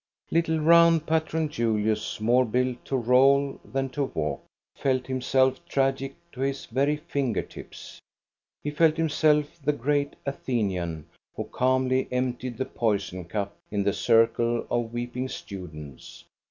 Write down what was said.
Little, round Patron Julius, more built to roll than to walk, felt himself tragic to his very finger tips. He felt himself the great Athenian, who calmly emptied the poison cup in the circle of weep ing students.